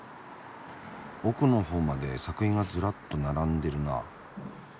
奥のほうまで作品がずらっと並んでるなあ。